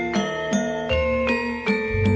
sayang nyari alleen mia